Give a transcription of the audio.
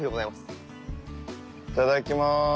いただきまーす。